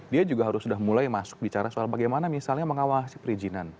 dia juga harus sudah mulai masuk bicara soal bagaimana misalnya mengawasi perizinan